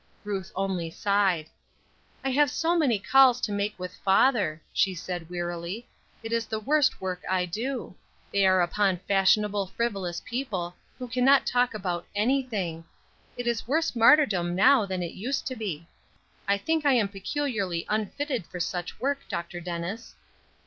Ruth only sighed. "I have so many calls to make with father," she said, wearily. "It is the worst work I do. They are upon fashionable, frivolous people, who cannot talk about anything. It is worse martyrdom now than it used to be. I think I am peculiarly unfitted for such work, Dr. Dennis."